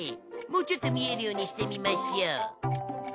もうちょっと見えるようにしてみましょう。